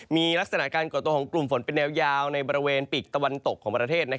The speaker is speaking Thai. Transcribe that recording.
มีลักษณะการก่อตัวของกลุ่มฝนเป็นแนวยาวในบริเวณปีกตะวันตกของประเทศ